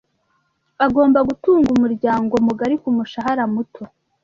Agomba gutunga umuryango mugari ku mushahara muto.